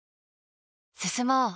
進もう。